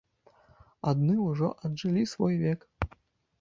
Адны ўжо аджылі свой век.